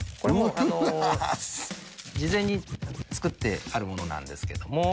事前に作ってあるものなんですけれども。